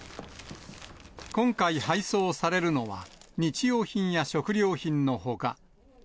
今回配送されるのは、日用品や食料品のほか。